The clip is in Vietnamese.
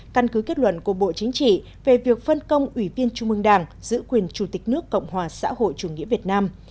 căn cứ kết luận của bộ chính trị về việc phân công ủy viên trung mương đảng giữ quyền chủ tịch nước cộng hòa xã hội chủ nghĩa việt nam